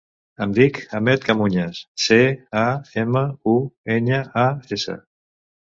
Em dic Ahmed Camuñas: ce, a, ema, u, enya, a, essa.